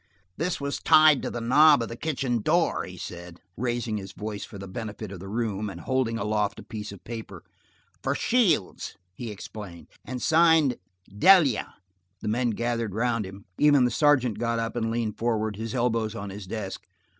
"This was tied to the knob of the kitchen door," he said, raising his voice for the benefit of the room, and holding aloft a piece of paper. "For Shields!" he explained, "and signed 'Delia.'" The men gathered around him, even the sergeant got up and leaned forward, his elbows on his desk.